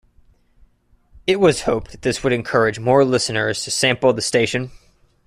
It was hoped that this would encourage more listeners to sample the station.